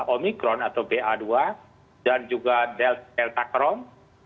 omikron atau ba dua dan juga delta crown